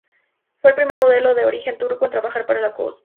Fue el primer modelo de origen turco en trabajar para Lacoste.